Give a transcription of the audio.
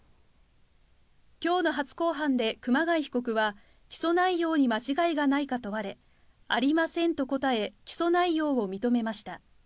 きょうの初公判で熊谷被告は起訴内容に間違いがないか問われ、ありませんと答え、起訴内容を認めました。